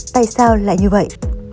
tại sao lại như vậy